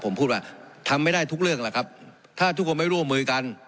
ผมพูดว่าทำไม่ได้ทุกเรื่องแหละครับถ้าทุกคนไม่ร่วมมือกัน